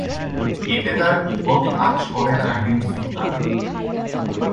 এতে তার বিপরীতে কাজ করেন আইরিন সুলতানা।